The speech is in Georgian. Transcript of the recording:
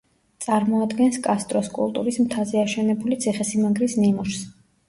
წარმოადგენს კასტროს კულტურის მთაზე აშენებული ციხე-სიმაგრის ნიმუშს.